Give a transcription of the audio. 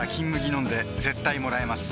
飲んで絶対もらえます